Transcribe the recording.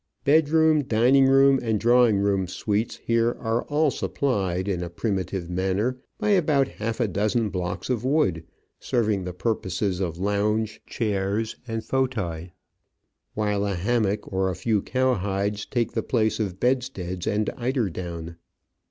Bed room, dining room, and drawing room suites here are all supplied, in a primi tive manner, by about half a dozen blocks of wood, serving the purposes of lounge, chairs, and fauteuil, while a hammock or a few cow hides take the place of bedsteads and eider down.